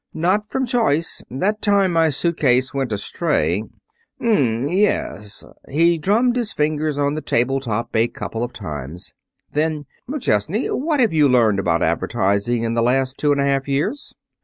"'Not from choice. That time my suit case went astray ' "'M m m m, yes.' He drummed his fingers on the table top a couple of times. Then McChesney, what have you learned about advertising in the last two and a half years?'